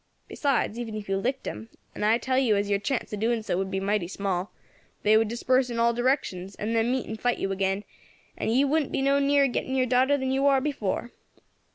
Besides, even if you licked them and I tell you as your chance of doing so would be mighty small they would disperse in all directions, and then meet and fight you agin, and ye wouldn't be no nearer getting your daughter than you war before.